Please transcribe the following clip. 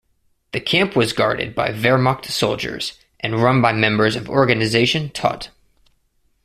The camp was guarded by Wehrmacht soldiers, and run by members of Organisation Todt.